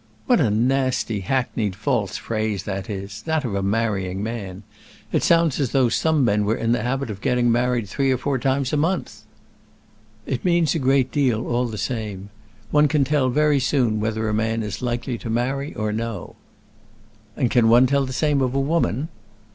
"What a nasty, hackneyed, false phrase that is that of a marrying man! It sounds as though some men were in the habit of getting married three or four times a month." "It means a great deal all the same. One can tell very soon whether a man is likely to marry or no." "And can one tell the same of a woman?"